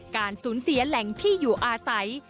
การสูญเสียแหล่งที่อยู่อาศัย